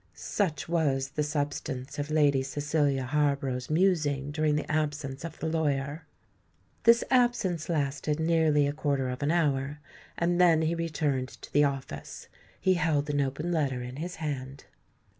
Such was the substance of Lady Cecilia Harborough's musing during the absence of the lawyer. This absence lasted nearly a quarter of an hour; and then he returned to the office. He held an open letter in his hand.